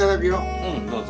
うんどうぞ。